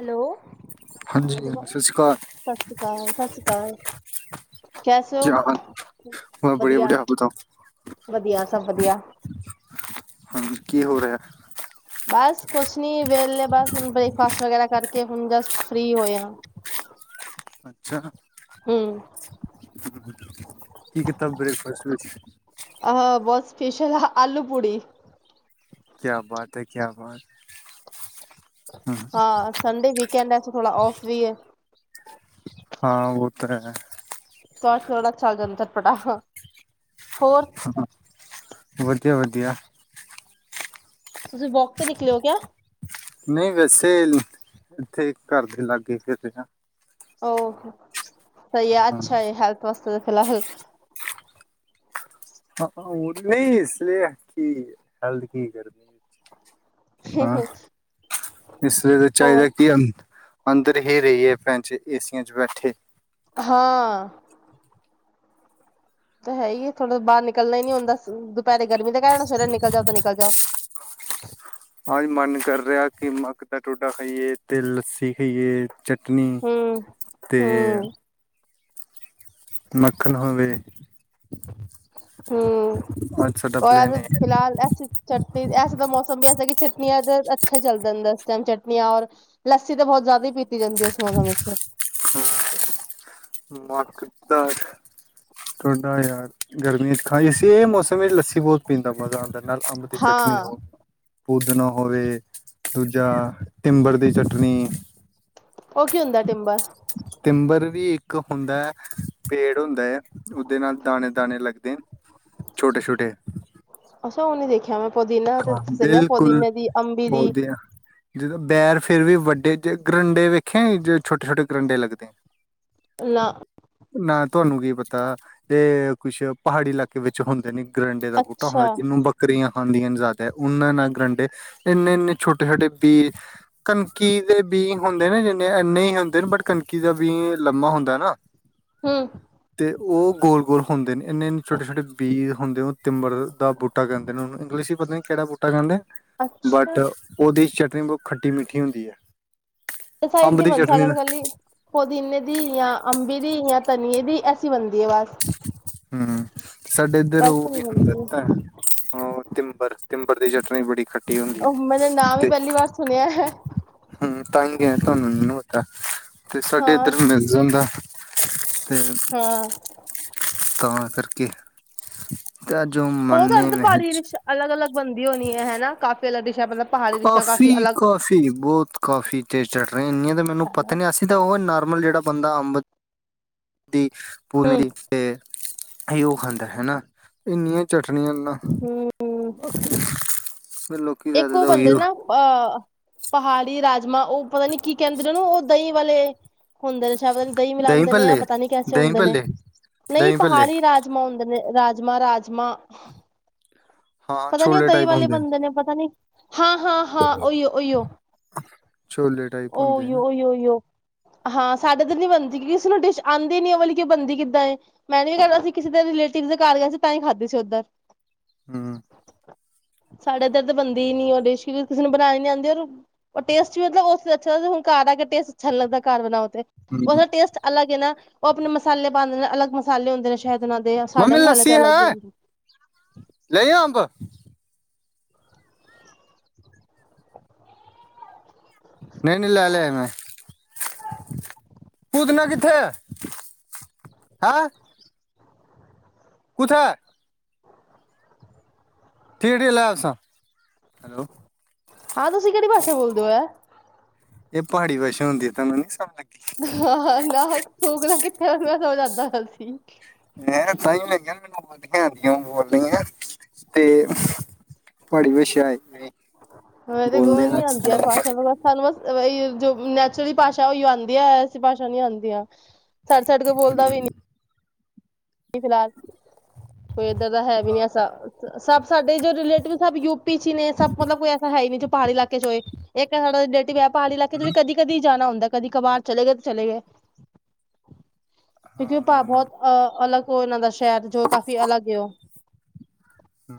Hello ਹਾਂਜੀ ਸ਼੍ਰੀ ਅਕਾਲ ਸਤਿ ਸ੍ਰੀ ਅਕਾਲ ਸਤਿ ਸ਼੍ਰੀ ਅਕਾਲ ਕੈਸ ਹੋ ਕਿਆ ਹਾਲ ਮੈਂ ਬੜੀਆ ਵਧੀਆ ਬੜੀਆ ਆਪ ਬਤਾਓ ਵਧੀਆ ਸਭ ਵਧੀਆ ਹਾਂਜੀ ਕੀ ਹੋ ਰਿਹਾ ਬਸ ਕੁਛ ਨੀ ਵੇਲੇ ਬਸ ਹੁਣ ਬ੍ਰੇਕਫਾਸਟ ਵਗੈਰਾ ਕਰਕੇ ਕਿ ਹੁਣ ਜਸਟ ਫ੍ਰੀ ਹੋਇਆ ਅੱਛਾ ਹ ਹਮ ਹ ਕੀ ਕਿਤਾ ਬ੍ਰੈਕਫਾਸਟ ਵਿੱਚ ਸਪੇਸ਼ਲ ਆਲੂ ਪੂੜੀ ਕਿਆ ਬਾਤ ਹੈ ਕਿਆ ਬਾਤ ਹਮ, ਹਾਂ ਸੰਡੇ ਵੀਕ ਲੰਚ ਥੋੜਾ ਔਫ ਵੀ ਹੈ ਹਾਂ ਉਹ ਤਾਂ ਤ ਥੋੜਾ ਚਲ ਜਾਏ ਚਟ ਪਟਾ ਹਾਂ ਹੋ ਜੀ ਵਧੀਆ ਤੁਸੀਂ ਵੋਕ ਤੇ ਨਿਕਲੇ ਹੋ ਕਿਆ ਨਹੀਂ ਵੈਸੇ ਇੱਥੇ ਘਰ ਦੇ ਲਾਗੇ ਫਿਰ ੋ [inaudible] ਸਹੀ ਹਾਂ ਅੱਛਾ ਹੈਲਥ ਵਾਸਤੇ ਫਿਲਹਾਲ, ਹਾਂ ਉਹ ਨਹੀਂ ਇਸ ਲਈ ਕੀ ਹੈਲਦ ਕੀ ਕਰਦੀ। ਹਾਂ ਇਸ ਲਈ ਤਾਂ ਹੋਰ ਚਾਹੀਦਾ ਕਿ ਅੰਦਰ ਹੀ ਰਹੀ ਹੈ ਫੈ ਏਸੀਆਂ ਚ ਬੈਠੇ, ਹਾਂ, ਤਾਂ ਹੈ ਹੀ ਥੋੜਾ ਬਾਹਰ ਨਿਕਲ ਨਿਕਲਣਾ ਹੀ ਨੀ ਹੁੰਦਾ ਦੁਪਹਿਰੇ ਗਰਮੀ ਦੇ ਕਾਰਨ ਸਵੇਰੇ ਨਿਕਲ ਜਾ ਤਾਂ ਨਿਕਲ ਜਾ, ਅੱਜ ਮਨ ਕਰ ਰਿਹਾ ਕਿ ਮਗ ਦਾ ਟੋਡਾ ਖਾਈਏ ਤੇ ਲੱਸੀ ਪੀਏ ਚਟਨੀ ਤੇ, ਮੱਖਣ ਹੋਵੇ, ਹੂੰ, ਅੱਜ ਸਾਡਾ ਪਲੈਨ ਹੈ ਫਿਲਹਾ ਲਸੀ ਚਟਨੀ ਐਸੇ ਤਾਂ ਮੌਸਮ ਵੀ ਐਸਾ ਕਿ ਚਟਨੀ ਅੱਜ [inaudible] ਅੱਛੇ ਚੱਲਦਾ ਜਾਂਦਾ ਇਸ ਟਾਈਮ ਚਟਨੀਆਂ ਔਰ ਲੱਸੀ ਤਾਂ ਬਹੁਤ ਜ਼ਿਆਦਾ ਹੀ ਪੀ ਹੂੰ ਮਗ ਦਾ, ਥੋਡਾ ਯਾਰ ਗਰਮੀਆਂ ਚ ਖਾਈਏ ਅਸੀ ਇਹ ਮੌਸਮ ਵਿੱਚ ਲੱਸੀ ਬਹੁਤ ਪੀਂਦਾ ਮਜ਼ਾ ਆਦਾ। ਨਾਲ ਅੰਬ ਦੀ ਚਟਨੀ ਹਾਂ ਹੋ ਪੂਦਣਾ ਹੋਵੇ ਦੂਜਾ ਟਿੰਬਰ ਦੀ ਚਟਣੀ, ਉਹ ਕੀ ਹੁੰਦਾ ਟਿੱਬਾ, ਟਿੰਬਰ ਵੀ ਇੱਕ ਹੁੰਦਾ ਹੈ। ਪੇੜ ਹੁੰਦਾ ਹੈ ਉਹਦੇ ਨਾਲ ਦਾਣੇ, ਦਾਣੇ ਲੱਗਦੇ ਛੋਟੇ-ਛੋਟੇ, ਉਹਨੇ ਦੇਖਿਆ ਮੈਂ, ਪੁਦੀਨਾ ਤੇ ਹਾਂ ਸੁਣਿਆ ਬਿਲਕੁਲ ਪੁਦੀਨੇ ਦੀ ਅੰਬੀ ਦੀ ਪੌਦਿਆਂ ਜਦੋਂ ਬੈਰ ਫਿਰ ਵੀ ਵੱਡੇ ਜ ਗਰੰਡੇ ਵੇਖੇ ਛੋਟੇ-ਛੋਟੇ ਗਰੰਡੇ ਲੱਗਦੇ। ਨਾ, ਨਾ ਤੁਹਾਨੂੰ ਕੀ ਪਤਾ ਇਹ ਕੁਛ ਪਹਾੜੀ ਇਲਾਕੇ ਵਿੱਚ ਹੁੰਦੇ ਨੇ, ਗਰੈਂਡੇ ਦਾ ਬੂਟਾ ਅੱਛਾ ਹੁੰਦਾ ਜਿਨੂੰ ਬੱਕਰੀਆਂ, ਹਾਂਜੀ-ਹਾਂਜੀ, ਜ਼ਿਆਦਾ ਉਨਾ ਨਾਲ ਗਰੰਡੇ ਇੰਨੇ ਇੰਨੇ ਛੋਟੇ-ਛੋਟੇ ਬੀ ਕਣਕੀ ਦੇ ਬੀ ਹੁੰਦੇ ਨਾ ਜਿੰਨੇ ਇੰਨੇ ਹੀ ਹੁੰਦੇ ਬਟ ਕਣਕੀ ਦਾ ਬੀ ਲੰਮਾ ਹੁੰਦਾ ਨਾ, ਹੂੰ, ਤੇ ਉਹ ਗੋਲ-ਗੋਲ ਹੁੰਦੇ ਨੇ, ਇੰਨੇ ਇੰਨੇ ਛੋਟੇ-ਛੋਟੇ ਪੀਸ, ਹੁੰਦੇ ਉਹ, ਤਿੰਬਰ ਦਾ ਬੂਟਾ ਕਹਿੰਦੇ ਨੇ ਹੁਣ ਇੰਗਲਿਸ਼ ਨਹੀ ਕਿਹੜਾ ਬੂਟਾ ਕਹਿੰਦੇ ਅੱਛਾ ਬਟ ਉਹਦੀ ਚਟਨੀ ਨਹੀ ਬਹੁਤ ਖੱਟੀ ਮਿੱਠੀ ਹੁੰਦੀ ਹੈ। ਸਾਈਡ ਅੰਬ ਨ ਦੀ ਚਟਨੀ ਬਸ ਗੀ ਪੁਦੀਨੇ ਦੀ ਜਾਂ ਅੰਬੀ ਦੀ ਜਾਂ ਧਨੀਏ ਦੀ, [unintelligible] ਹੂੰ ਸਾਡੇ ਇੱਧਰ ਵੈਸੇ ਉਹ ਨਹੀਂ ਵੀ ਹੁੰਦਾ ਬਣਦੀ ਤਾਂ ਉਹ ਤਿੰਬਰ ਤਿੰਬਰ ਦੀ ਚਟਨੀ ਬੜੀ ਖਟੀ ਹੁੰਦੀ ਉਹ ਮੈਨੇ ਨਾਮ ਹੀ ਤੇ ਪਹਿਲੀ ਵਾਰ ਸੁਣਿਆ ਹੈ ਹੂੰ ਤਾਂ ਤੁਹਾਨੂੰ ਮੈਨੂੰ ਤਾਂ ਤੇ ਸਾਡੇ ਹਾਂ ਇੱਧਰ ਮਿਲ ਜਾਦਾ ਤੇ ਹਾਂ ਤਾਂ ਕਰਕੇ ਤੇ ਜੋ ਉਹ ਤਾਂ ਮੰਨੇ ਅਰਧ ਪਾੜੀ ਵਿੱਚ ਅਲੱਗ ਅਲੱਗ ਬਣਦੀ ਹੋਣੀ ਹੈ ਹਨਾ ਕਾਫੀ ਪਹਿਲਾ ਦੇ ਕਾਫੀ ਕਾਫੀ ਬਹੁਤ ਕਾਫੀ ਚਿਰ ਚੜ ਰਹੇ ਇੰਨੀਆਂ ਤਾਂ ਮੈਨੂੰ ਪਤਾ ਨੀ ਅਸੀਂ ਤਾਂ ਉਹ ਨੋਮਲ ਜਿਹੜਾ ਬੰਦਾ ਅੰਬ ਦੀ ਪੂਦੀਨੇ ਦੀ ਮੇਰੀ ਤੇ ਇਹ ਉਹ ਖਾਂਦਾ ਹਨਾ ਇੰਨੀਆਂ ਚਟਨੀ ਨਾਲ ਨਾਲ [unintelligible] ਇੱਕ ਉਹ ਬੰਦੇ ਨਾ ਅਹ ਪਹਾੜੀ ਰਾਜ ਮਾਂ ਉਹ ਪਤਾ ਨੀ ਕੀ ਕਹਿੰਦੇ ਨੇ ਉਹ ਨੂੰ ਦਹੀਂ ਵਾਲੇ ਹੁੰਦੇ ਨੇ ਸ਼ਾਇਦ ਦਹੀਂ ਮਿਲਾਦੇ ਨੇ ਆ ਪਤਾ ਨੀ ਕੈਸੇ ਦਹੀਂ ਹੁੰਦੇ ਨੇ ਭੱਲੇ ਨਹੀਂ ਦਹੀਂ ਭੱਲੇ ਪਹਾੜੀ ਰਾਜਮਾਂ ਹੁੰਦੇ ਨੇ। ਰਾਜਮਾ ਰਾਜਮਾ ਹਾਂ ਪਤਾ ਨੀ ਉਹ ਛੋਲੇ ਦਹੀਂ ਟਾਈਪ ਵਾਲੇ ਹੁੰਦੇ ਬਣਦੇ ਨੇ। ਨਹੀਂ ਹਾਂ ਹਾਂ ਹਾਂ ਉਓ ਉਓ ਛੋਲੇ ਟਾਈਪ ਹੁੰਦੇ ਨਾ ਉਓ ਹਾਂ ਸਾਡਾ ਤੇ ਨਹੀਂ ਬਣਦੇ। ਕਿਸੇ ਨੂੰ ਡਸ਼ ਆਂਦੀ ਨੀ ਓ ਵਾਲੀ ਕੀ ਓ ਬਣਦੀ ਕਿੱਦਾ ਏ ਮੈਂ ਨੀ ਕਿਸੇ ਦੇ ਲੇਟਿਵ ਦੇ ਘਰ ਗਏ ਸੀ ਤਾਂ ਹੀ ਖਾਦੀ ਸੀ ਓਧਰ। ਹੂੰ ਸਾਡੇ ਇੱਧਰ ਤਾ ਬਣਦੀ ਨੀ ਉਹ ਡਿਸ਼ ਕਿਸੇ ਬਣਾਣੀ ਨੀ ਆਂਦੀ ਓ ਟੇਸਟ ਵੀ ਅ ਹੁਣ ਘਰ ਆ ਕੇ ਟੇਸਟ ਅੱਛਾ ਨੀ ਲਗਦਾ ਘਰ ਬਣਾਉਣ ਉਸਦਾ ਟੇਸਟ ਅਲੱਗ ਹੈ ਨਾ। ਉਹ ਆਪਣੇ ਮਸਾਲੇ ਪਾਦੇ ਨੇ ਅਲੱਗ ਮਸਾਲੇ ਹੁੰਦੇ ਨੇ। ਸ਼ਾਇਦ ਨਾਂ ਦੇ ਸਾਡੇ ਮੰਮੀ ਮਸਾਲੇ ਲੱਸੀ ਤੇ ਅਲੱਗ ਹੀ ਹੈ ਹੋ। ਲੈ ਅੰਬ ਨਹੀਂ-ਨਹੀਂ ਲੈ, ਲਿਆ ਮੈਂ ਪੂਦਨਾ ਕਿੱਥੇ ਐ, ਹੈ? ਕੁਥ ਹੈ ਠੀਕ ੀ ਲੈ, ਆਸਾ ਹੈਲੋ। ਹਾਂ, ਤੁਸੀਂ ਕਿਹੜੀ ਭਾਸ਼ਾ ਬੋਲਦੇ ਹੋ, ਹੈ। ਇਹ ਪਹਾੜੀ ਭਾਸ਼ਾ ਹੁੰਦੀ ਹੈ ਤਾਂਨੁ ਨੀ ਸਮ ਹਾਂ-ਹਾਂ, ਨਾ ਸੋਕਣਾ ਕਿੱਥੇ ਮੈਂ ਸੋ ਜਾਂਦਾ। ਨਾਲ ਸੀ ਮੈਂ ਤਾਂਹੀ ਲੈਂਗ ਮੈਨੂੰ ਬੋਦੀ ਆਉਂਦੀਆਂ ਬੋਲੀਆਂ ਤੇ ਤੁੀ ਵਾਸ਼ਿਆ ਆਈ ਹੰ, ਤੇ ਗੁੰਮਣ ਨੀ ਆਉਂਦੀ ਆ ਭਾਸ਼ਾ ਸਾਨ ਬਸ ਜੋ ਨੈਚੁਰਲੀ ਭਾਸ਼ਾ ਉਹੀ ਆਉਂਦੀ ਐ, ਐਸੀ ਭਾਸ਼ਾ ਨਹੀਂ ਆਂਦੀ ਐ ਛੱਡ-ਛੱਡ ਕੇ ਬੋਲਦਾ ਵੀ ਨੀ ਫਿਲਹਾਲ। ਕੋਈ ਇੱਧਰ ਦਾ ਹੈ ਵੀ ਨੀ, ਸਭ ਸਾਡੇ ਜੋ ਰਿਲੇਟਿਵ ਸਭ ਯੂ ਪ ਪਿੱਛੇ ਨੇ, ਸਭ ਮਤਲਬ ਕੋਈ ਐਸਾ ਹੈ ਨ ਨਹੀਂ ਪਹਾੜੀ ਇਲਾਕੇ ਚ ਹੋਏ ਇੱਕ ਸਾਡਾ ਡੇਟੀ ਐਪ ਪਹਾੜੀ ਇਲਾਕੇ ਤੋਂ ਵੀ ਕਦੀ- ਕਦੀ ਜਾਣਾ ਹੁੰਦਾ। ਕਦੀ ਕਬਾਰ, ਚਲੇ ਗਏ ਤਾਂ ਚਲੇ ਗਏ। ਕਿਉਂਕਿ ਹਾਂ ਭਾ ਇਹ ਨਾ ਬਹੁਤ ਅਹ [inaudible] ਸ਼ਹਿਰ ਤੋਂ ਕਾਫੀ ਅਲੱਗ ਹੈ, ਉਹ। ਹਾਂ।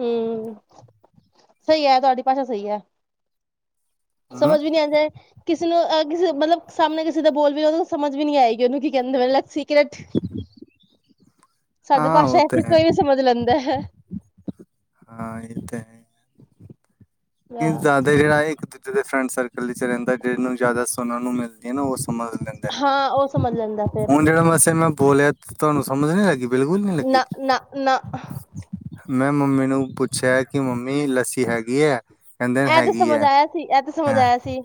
ਹਮ, ਸਹੀ ਹੈ ਤੁਹਾਡੀ ਭਾਸ਼ਾ ਸਹੀ ਹੈ। ਹੂੰ, ਸਮਝ ਵੀ ਨਹੀਂ ਆ ਜਾਏ, ਕਿਸ। ਕਿਸੇ ਨੂੰ ਕਿਸੇ ਮਤਲਬ, ਸਾਹਮਣੇ ਕਿਸੇ ਦਾ ਬੋਲ ਵੀ ਉਹਨੂੰ ਸਮਝ ਵੀ ਨੀ ਆਏਗੀ ਉਹਨੂੰ ਕੀ ਕਿੰਦੇ ਪਏ ਸੀ ਕਿ ਸਾਡੀ ਹਾਂ ਭਾਸ਼ਾ ਉਹ ਐਸੀ, ਤੇ ਹੈ ਕੋਈ ਵੀ ਸਮਝ ਲੈਂਦਾ ਹੈ। ਕੀ ਜ਼ਦਾਏ ਫਰੈਂਡ ਸਰਕਲ ਵਿੱਚ ਰਹਿੰਦਾ, ਜਿਹਨ ਨੂੰ ਜ਼ਿਆਦਾ ਸੁਣਨਾ ਨੂੰ ਮਿਲਦੀ ਹੈ ਨਾ ਉਸ। ਲੈਂਦਾ ਹਾਂ ਉਹ ਸਮਝ ਲੈਂਦਾ ਫਿਰ ਹੁਣ ਜਿਹੜਾ ਮਸੇ ਮੈਂ ਬੋਲਿਆ ਤਹਾਨੂੰ ਸਮਝ ਨੀ ਲਗੀ। ਨਾ, ਨਾ, ਨਾ। ਮੈਂ ਮੰਮੀ ਨੂੰ ਪੁੱਛਿਆ, ਕਿ ਮੰਮੀ ਲੱਸੀ ਹੈਗੀ ਹੈ। ਕਹਿੰਦੇ ਨੇ ਇਹ ਤੇ ਹੈਗੀ ਸਮਝ ਹੈ, ਆਇਆ ਸੀ ਇਹ ਤੇ ਸਮਝ ਹੰ ਆਇਆ ਸੀ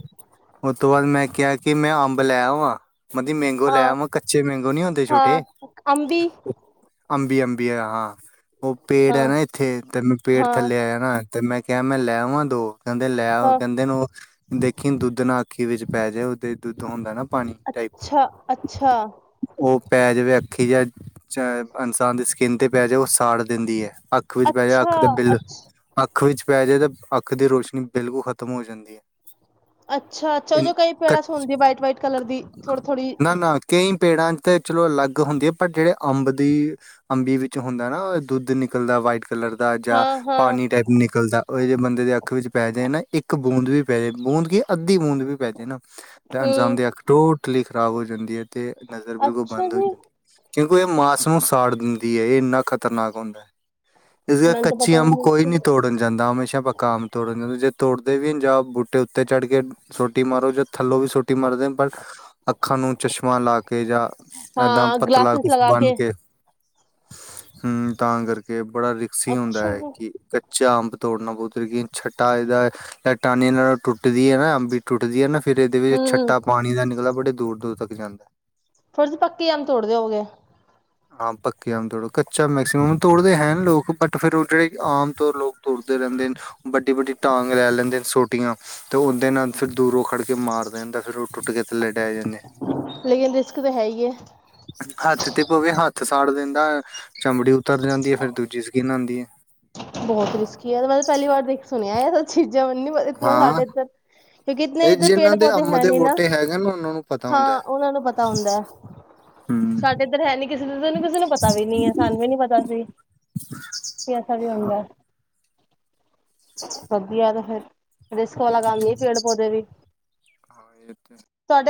ਉਸ ਤੋਂ ਬਾਅਦ ਮੈਂ ਕਿਹਾ ਕਿ, ਮੈਂ ਅੰਬ ਲੈ ਆਵਾਂ? ਮਤਦੀ ਮੈਂਗੋ ਲੈ ਹਾਂ ਕੱਚੇ ਮੈਂਗੋ ਨੀ ਹੁੰਦੇ ਹਾਂ ਛੋਟੇ ਅੰਬੀ ਅੰਬੀ ਅੰਬੀ ਹਾਂ। ਉਹ ਪੇੜ ਹਾਂ ਹੈ ਨਾ ਇੱਥੇ ਤੇ ਮੈਂ ਪੇੜ ਹਾਂ ਥੱਲੇ ਆਇਆ ਨਾ ਤੇ ਮੈਂ ਕਿਹਾ ਮੈਂ ਲੈ ਆਵਾ ਉਨ੍ਹਾਂ ਤੋਂ ਕਹਿੰਦੇ ਲੈ ਹਾਂ ਕਹਿੰਦੇ ਨੂੰ ਦੇਖੀ ਦੁੱਧ ਨਾ ਅੱਖੀ ਵਿੱਚ ਪੈ ਜਾਏ ਉਹ ਦੁੱਧ ਹੁੰਦਾ ਨਾ ਪਾਣੀ ਟਾਈਪ ਅੱਛਾ ਅੱਛਾ ਉਹ ਪੈ ਅੱਖੀ ਜਿ ਇਨਸਾਨ ਦੀ ਸਕਿੰਨ 'ਤੇ ਪੈ ਜਾਵੇ ਉਹ ਸਾੜ ਦਿੰਦੀ ਹੈ। ਅੱਖ ਵਿੱਚ ਪੈ ਜਾ ਅੱਛਾ ਅੱਖ ਤੇ ਬਿੱਲ ਅੱਛ ਅੱਖ ਅੱਖ ਵਿਚ ਪੈ ਜਾਏ ਤਾਂ ਅੱਖ ਅੱਖ ਦੀ ਰੋਸ਼ਨੀ ਬਿਲਕੁਲ ਖ਼ਤਮ ਹੋ ਜਾਂਦੀ ਹੈ। ਅੱਛਾ ਅੱਛਾ ਉਹ ਜੋ ਇਨ- ਕਈ ਕ- ਪੇੜਾਂਸ ਹੁੰਦੀ ਵਾਈਟ ਵਾਈਟ ਕਲਰ ਦੀ ਥੋੜੀ ਥੋੜੀ ਨਾ ਨਾ ਕਈ ਪੇੜਾਂ ਤੇ ਚਲੋ ਅਲੱਗ ਹੁੰਦੀ ਹੈ ਪਰ ਜਿਹੜੇ ਅੰਬ ਦੀ ਅੰਬੀ ਵਿੱਚ ਹੁੰਦਾ ਨਾ ਦੁੱਧ ਨਿਕਲਦਾ ਵਾਈਟ ਕਲਰ ਦਾ ਜਾਂ ਹਾਂ ਹਾਂ ਪਾਣੀ ਟਾਈਪ ਨਿਕਲਦਾ ਉਹ ਜੇ ਬੰਦੇ ਦੇ ਅੱਖ ਵਿੱਚ ਪੈ ਜਾਏ ਨਾ ਇੱਕ ਬੂੰਦ ਵੀ ਪੈ ਜਾਏ ਬੂੰਦ ਕੀ ਅੱਧੀ ਬੂੰਦ ਵੀ ਪੈ ਜਾਏ ਨਾ ਤੇ ਹੂੰ ਅਣਜਾਦੇ ਅਖ ਟੋਟ ਕਲੀਲਿਕ ਖਰਾਬ ਹੋ ਜਾਂਦੀ ਹੈ। ਤੇ ਨਜ਼ਰ ਬਿਲਕੁਲ ਅੱਛਾ ਬੰਦ ਹੋ ਜੀ ਜਾਂਦੀ ਏ। ਕਿਉਂਕਿ ਇਹ ਮਾਸ ਨੂੰ ਸਾੜ ਦਿੰਦੀ ਹੈ ਇਹ ਇੰਨਾ ਖਤਰਨਾਕ ਹੁੰਦਾ ਹੈ। ਇਸ ਕਰਕੇ ਮੈਨੂੰ ਤਾਂ ਕੱਚੀ ਪਤਾ ਅੰਬ ਹੀ ਕੋਈ ਨੀ ਨਹੀਂ ਤੋੜਨ ਜਾਂਦਾ ਹਮੇਸ਼ਾ ਪੱਕਾ ਅੰਬ ਤੋੜਨ ਜਾਂਦਾ ਜੇ। ਤੋੜਦੇ ਵੀ ਜਾਂ ਬੂਟੇ ਉੱਤੇ ਚੜ੍ਹ ਕੇ ਸੋਟੀ ਮਾਰੋ ਜ ਥੱਲੋਂ ਵੀ ਸੋਟੀ ਮਾਰਦੇ ਪਰ ਅੱਖਾਂ ਨੂੰ ਚਸ਼ਮਾ ਲਾ ਕੇ ਜਾਂ ਏਦਾਂ ਹਾਂ ਪਤਲਾ ਗਲਾਸਿਸ ਕੁਛ ਲਗਾ ਬੰਨ ਕੇ ਹੂੰ ਤਾਂ ਕਰਕੇ ਬੜਾ ਰਿਕਸੀ ਹੁੰਦਾ ਅੱਛਾ ਜੀ ਹੈ ਹੂੰ ਕਿ 'ਚ ਅੰਬ ਤੋੜਨਾ ਪੱਤਰ ਕਿ ਛੱਟਾ ਇਹਦਾ ਇਹ ਟਾਨੀ ਨਾਲ ਟੁਟਦੀ ਹੈ ਨਾ ਅੰਬੀ ਟੁਟਦੀ ਹੈ। ਫਿਰ ਇਹਦੇ ਵਿੱਚ ਛੱਟਾ ਪਾਣੀ ਦਾ ਨਿਕਲ ਬੜੇ ਦੂਰ ਤੱਕ ਜਾਂਦਾ ਫਰਜ਼ ਪੱਕੇ ਆਮ ਤੋੜ ਦਿਓਗੇ। ਹਾਂ ਪੱਕੇ ਆਮ ਤੋੜੋ ਕੱਚਾ ਮੈਕਸੀਮਮ ਤੋੜਦੇ ਹੈ ਲੋਕ ਬਟ ਫਿਰ ਉਹ ਜਿਹੜੇ ਆਮ ਤੌਰ ਲੋਕ ਤੋਰਦੇ ਰਹਿੰਦੇ ਨੇ ਵੱਡੀ ਵੱਡੀ ਟਾਂਗ ਲੈ ਲੈਂਦੇ ਨੇ ਸੋਟੀਆਂ ਤੇ ਉਹਦੇ ਨਾਲ ਫਿਰ ਦੂਰੋਂ ਖੜਕੇ ਮਾਰਦੇ ਨੇ ਤੇ ਫਿਰ ਉਹ ਟੁਟ ਕੇ ਲੜ ਦੇ ਜਾਨੇ ਐ, ਲੇਕਿਨ ਰਿਸਕ ਤਾਂ ਹੈ ਹੀ ਹੈ ਹੱਥ ਤੇ ਪਵੇ, ਹੱਥ ਸਾ ਫਾੜ ਦਿੰਦਾ ਐ, ਚਮੜੀ ਉਤਰ ਜਾਂਦੀ ਐ, ਫਿਰ ਦੂਜੀ ਸਕੀਨ ਆਉਂਦੀ ਹੈ। ਐ ਔਛੀ ਨਹੀ ਐ। ਜਮਨ ਨੀ ਇਤਨਾ ਸਾਡੇ ਹਾਂ ਇੱਧਰ ਕਿਉਂਕਿ ਇਨ ਇਹ ਇੱਧਰ ਪੇੜ ਜਿਨ੍ਹਾਂ ਦੇ ਪੌਦੇ ਅੰਬ ਹੈ ਦੇ ਨੀ ਨਾ, ਬੂਟੇ ਹੈਗੇ ਨਾ ਉਹਨਾਂ ਨੂੰ ਪਤਾ ਹੁੰਦਾ ਹਾਂ ਹੈ ਉਹਨਾ ਨੂੰ ਪਤਾ ਹੁੰਦਾ ਹਮ ਸਾਡੇ ਇੱਧਰ ਹੈ ਨੀ ਕਿਸੇੂੰ ਕਿਸੇ ਨੂੰ ਪਤਾ ਵੀ ਨੀ ਹੈ, ਸਾਨੂੰ ਵੀ ਨੀ ਪਤਾ ਸੀ। [unintelligible] ਹਾਂ ਵਧੀਆ ਤਾਂ ਫੇਰ ਰਿਸਕ ਵਾਲਾ ਕੰਮ ਏ ਪੇੜ ਪੌਦੇ ਵੀ ਹਾਂ ਇਹ ਤੇ ਤੁਹਾਡ ਅਪ